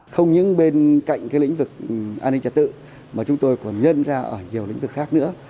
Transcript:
không những bên cạnh lĩnh vực an ninh trật tự mà chúng tôi còn nhân ra ở nhiều lĩnh vực khác nữa